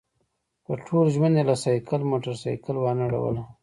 په ټول ژوند یې له سایکل موټرسایکل وانه ړوله.